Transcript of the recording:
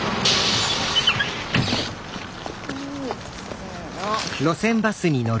せの。